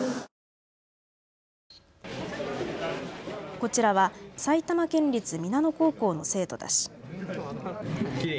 こちらは埼玉県立皆野高校の生徒たち。